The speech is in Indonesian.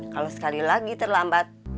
kalau sekali lagi terlambat